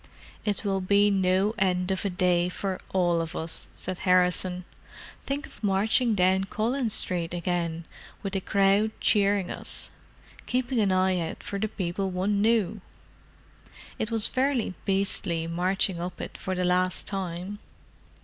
"It will be no end of a day for all of us," said Harrison. "Think of marching down Collins Street again, with the crowd cheering us—keeping an eye out for the people one knew! It was fairly beastly marching up it for the last time."